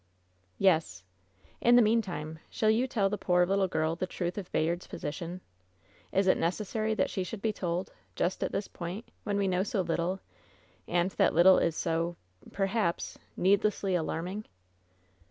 "Yes. In the meantime, shall you tell the poor little girl the truth of Bayard's position? Is it necessary that she should be told, just at this point, when we know so little, and that little is so — perhaps — needlessly alarm ing?"